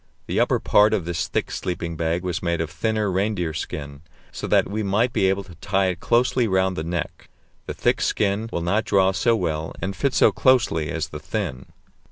The upper part of this thick sleeping bag was made of thinner reindeer skin, so that we might be able to tie it closely round the neck; the thick skin will not draw so well and fit so closely as the thin.